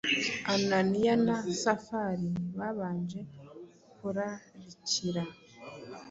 Ananiya na Safira babanje kurarikira.